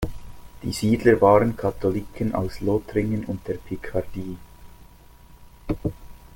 Die Siedler waren Katholiken aus Lothringen und der Picardie.